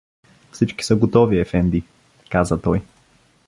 — Всички са готови, ефенди — каза той.